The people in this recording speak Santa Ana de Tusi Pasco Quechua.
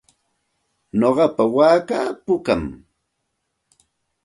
Nuqapa waakaa pukam.